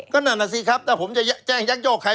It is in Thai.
ก็นั่นน่ะสิครับถ้าผมจะแจ้งยักยอกใคร